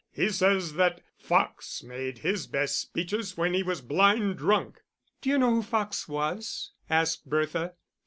He says that Fox made his best speeches when he was blind drunk." "D'you know who Fox was?" asked Bertha.